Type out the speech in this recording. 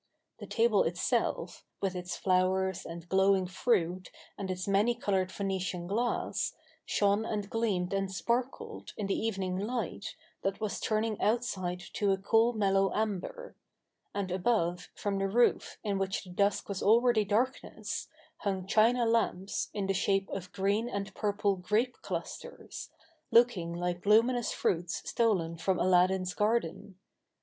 The table itself, with its flowers, and glowing fruit, and its many coloured Venetian glass, shone and gleamed and sparkled, in the evening light, that was turning outside to a cool mellow amber : and above, from the roof, in which the dusk was already darkness, hung china lamps, in the shape of green and purple grape clusters, looking like luminous fruits stolen from Aladdin's garden.